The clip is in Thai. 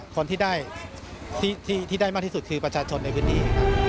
คนที่ได้ที่ได้มากที่สุดคือประชาชนในพื้นที่ครับ